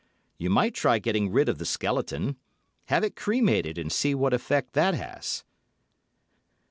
You might try getting rid of the skeleton—have it cremated and see what effect that has."